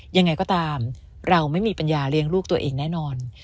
ยังไงก็ตามเราไม่มีปัญญาเลี้ยงลูกตัวเองแน่นอน